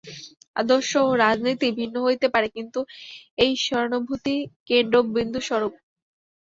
আদর্শ ও রীতিনীতি ভিন্ন হইতে পারে, কিন্তু এই ঈশ্বরানুভূতিই কেন্দ্র-বিন্দুস্বরূপ।